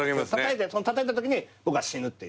たたいたときに僕が死ぬっていう。